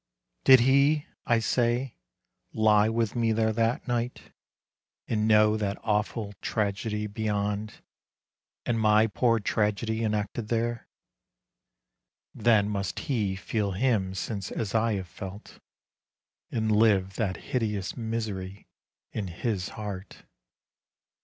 Did He, I say, lie with me there that night, And know that awful tragedy beyond, And my poor tragedy enacted there? Then must He feel Him since as I have felt, And live that hideous misery in His heart.